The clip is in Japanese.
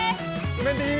うメンディー！